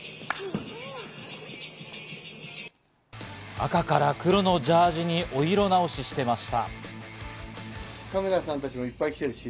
赤から黒のジャージーにお色直ししていました。